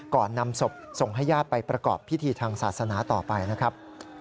นำศพส่งให้ญาติไปประกอบพิธีทางศาสนาต่อไปนะครับ